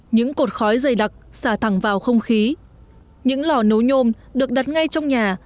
những cột khói dày đặc xả thẳng vào không khí những lò nấu nhôm được đặt ngay trong nhà